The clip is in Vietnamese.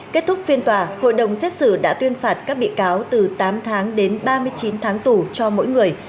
kết thúc phiên tòa hội đồng xét xử đã tuyên phạt các bị cáo từ tám tháng đến ba mươi chín tháng tù cho mỗi người